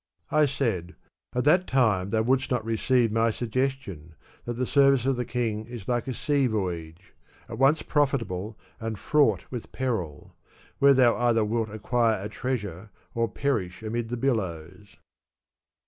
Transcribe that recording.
'' I said :" At that time thou wouldst not receive my suggestion, that the service of the king is like a sea voyage, at once profitable and fraught with peril; where thou either wilt acquire a treasure, or perish amid the billows.